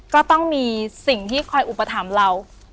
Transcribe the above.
ก็ต้องมีสิ่งที่คอยอุปถัมภ์เรา